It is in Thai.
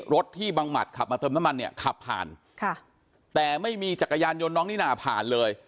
รถที่บังหมัดขับมาเติมน้ำมันเนี่ยขับผ่านค่ะแต่ไม่มีจักรยานยนต์น้องนิน่าผ่านเลย